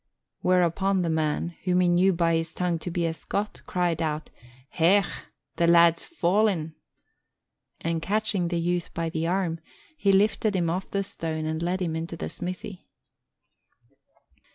Whereupon the man, whom he knew by his tongue to be a Scot, cried out, "Hech! The lad's falling!" And catching the youth by the arm, he lifted him off the stone and led him into the smithy.